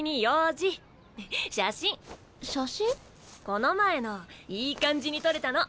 この前のいい感じに撮れたの。